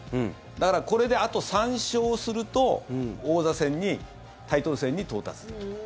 だから、これであと３勝すると王座戦に、タイトル戦に到達できる。